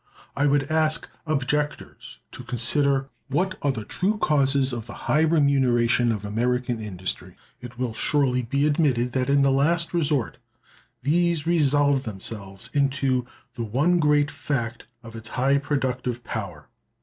I would ask [objectors] to consider what are the true causes of the high remuneration of American industry. It will surely be admitted that, in the last resort, these resolve themselves into the one great fact of its high productive power....